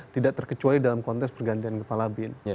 tidak terkecuali dalam kontes pergantian kepala bin